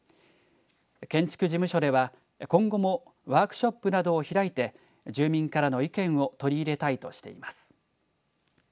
建築事務所では今後もワークショップなどを開いて住民からの意見を取り入れたいとしています。